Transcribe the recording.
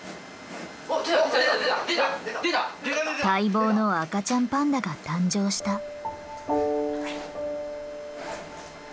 待望の赤ちゃんパンダが誕生した。